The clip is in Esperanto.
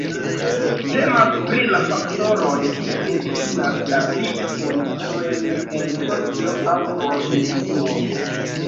Temas pri la faktoroj, kiuj difinas la vivkondiĉojn en socio aŭ por individuo.